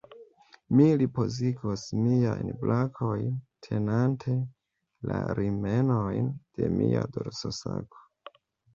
Mi ripozigos miajn brakojn, tenante la rimenojn de mia dorsosako.